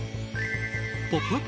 「ポップＵＰ！」